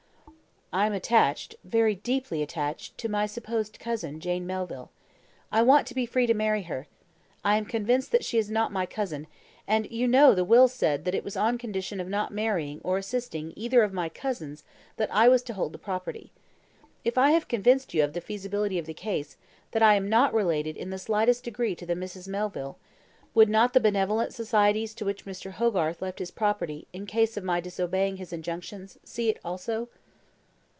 "I am attached very deeply attached to my supposed cousin, Jane Melville. I want to be free to marry her. I am convinced that she is not my cousin, and you know the will said that it was on condition of not marrying or assisting either of my cousins that I was to hold the property. If I have convinced you of the feasibility of the case that I am not related in the slightest degree to the Misses Melville would not the benevolent societies to which Mr. Hogarth left his property, in case of my disobeying his injunctions, see it also?"